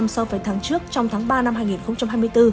so với tháng trước trong tháng ba năm hai nghìn hai mươi bốn